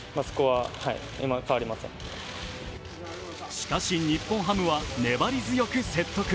しかし、日本ハムは粘り強く説得。